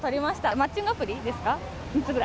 マッチングアプリですか。